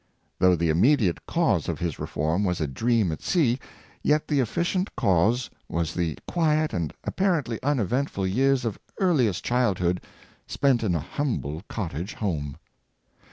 Though the immediate cause of his reiorm was a dream at sea, 588 Early Impressions, yet the efficient cause was the quiet and apparently un eventful years of earliest childhood spent in a liumble cottage home.